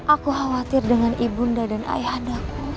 aku khawatir dengan ibunda dan ayahandaku